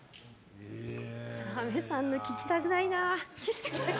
澤部さんの、聞きたくないな。